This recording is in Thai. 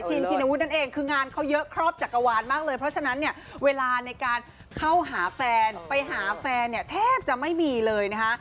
ชินวุฒินั่นเองคืองานเขาเยอะครอบจักรวาลมากเลยเพราะฉะนั้นเนี่ยเวลาในการเข้าหาแฟนไปหาแฟนเนี่ยแทบจะไม่มีเลยนะคะ